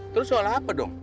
terus soal apa dong